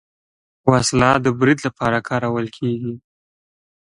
وسله د برید لپاره کارول کېږي